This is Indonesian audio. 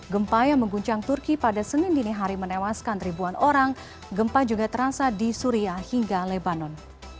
gempa yang mengguncang turki pada senin dini hari menewaskan ribuan orang gempa juga terasa di suria hingga lebanon